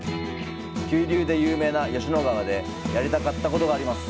急流で有名な吉野川でやりたかったことがあります。